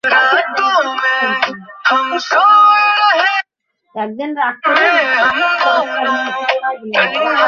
স্বামীজী তাঁহাদের সঙ্গে করিয়া পবিত্র পঞ্চবটী ও বিল্বমূল দর্শন করাইতেছেন।